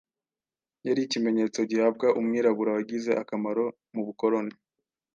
yari ikimenyetso gihabwa umwirabura wagize akamaro mu bukoloni.